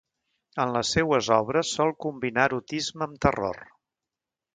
En les seues obres sol combinar erotisme amb terror.